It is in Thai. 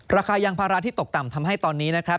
ราคายางภาระที่ตกต่ำทำให้ตอนนี้นะครับ